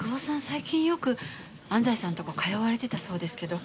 最近よく安西さんのとこ通われてたそうですけど。